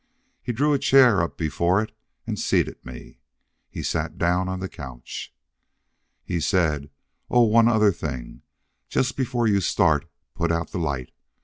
He drew a chair up before it and seated me. He sat down on the couch. He said, "Oh, one other thing. Just before you start, put out the light.